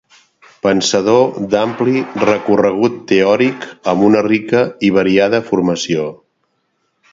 Pensador d'ampli recorregut teòric, amb una rica i variada formació.